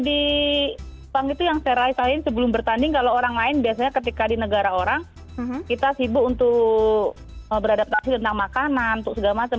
di jepang itu yang saya rasain sebelum bertanding kalau orang lain biasanya ketika di negara orang kita sibuk untuk beradaptasi tentang makanan untuk segala macam